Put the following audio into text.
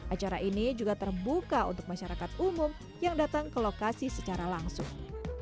acara ini juga terbuka untuk masyarakat umum yang datang ke lokasi secara langsung